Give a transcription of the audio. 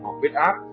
hoặc viết áp